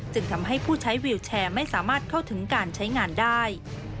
จึงทำให้ผู้ใช้วิวแชร์ไม่สามารถเข้าถึงการใช้งานได้